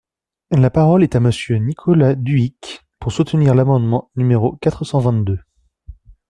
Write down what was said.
La parole est à Monsieur Nicolas Dhuicq, pour soutenir l’amendement numéro quatre cent vingt-deux.